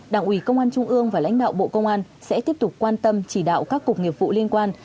đảng ủy công an trung ương và lãnh đạo bộ công an sẽ tiếp tục quan tâm chỉ đạo các cục nghiệp vụ liên quan